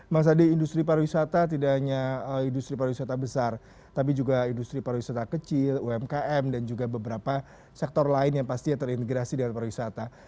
mas adi industri pariwisata tidak hanya industri pariwisata besar tapi juga industri pariwisata kecil umkm dan juga beberapa sektor lain yang pastinya terintegrasi dengan pariwisata